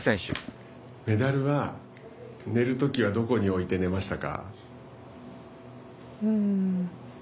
メダルは寝るときはどこに置いて寝ましたか。